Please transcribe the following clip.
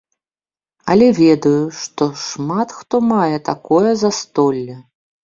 Але ведаю, што шмат хто мае такое застолле.